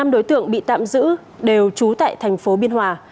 năm đối tượng bị tạm giữ đều trú tại thành phố biên hòa